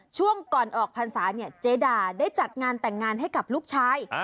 ช่วงก่อนออกพรรษาเนี่ยเจดาได้จัดงานแต่งงานให้กับลูกชาย